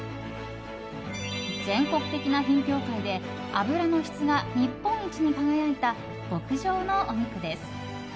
全国的な品評会で脂の質が日本一に輝いた極上のお肉です。